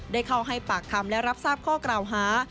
ได้เข้าให้ปากคำและรับทราบข้อกล่าวหา